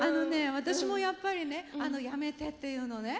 私もやっぱりね「やめて」っていうのね。